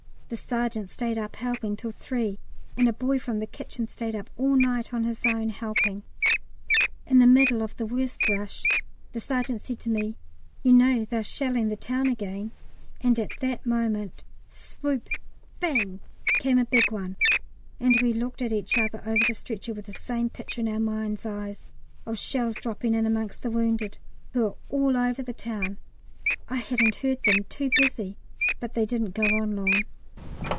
The sergeant stayed up helping till 3, and a boy from the kitchen stayed up all night on his own, helping. In the middle of the worst rush the sergeant said to me, "You know they're shelling the town again?" and at that minute swoop bang came a big one; and we looked at each other over the stretcher with the same picture in our mind's eyes of shells dropping in amongst the wounded, who are all over the town. I hadn't heard them too busy but they didn't go on long.